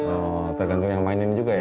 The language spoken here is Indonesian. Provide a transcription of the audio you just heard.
oh tergantung yang mainin juga ya